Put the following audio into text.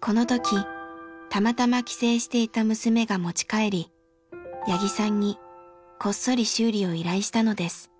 この時たまたま帰省していた娘が持ち帰り八木さんにこっそり修理を依頼したのです。